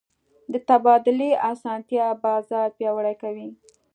د تبادلې اسانتیا بازار پیاوړی کوي.